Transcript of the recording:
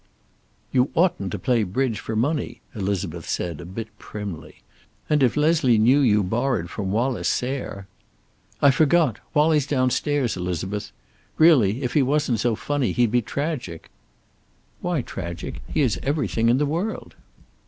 "You oughtn't to play bridge for money," Elizabeth said, a bit primly. "And if Leslie knew you borrowed from Wallace Sayre " "I forgot! Wallie's downstairs, Elizabeth. Really, if he wasn't so funny, he'd be tragic." "Why tragic? He has everything in the world."